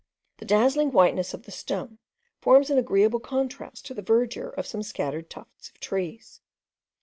The dazzling whiteness of the stone forms an agreeable contrast to the verdure of some scattered tufts of trees.